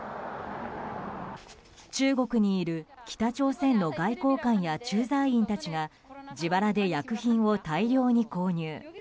中国にいる北朝鮮の外交官や駐在員たちが自腹で薬品を大量に購入。